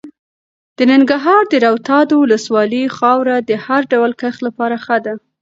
د ننګرهار د روداتو ولسوالۍ خاوره د هر ډول کښت لپاره ښه ده.